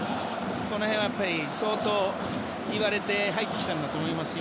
この辺は相当、言われて入ってきたんだと思いますよ。